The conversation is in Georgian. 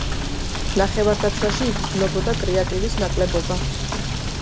ნახევარდაცვაში იგრძნობოდა კრეატივის ნაკლებობა.